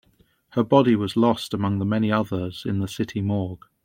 Her body was lost among the many others in the city morgue.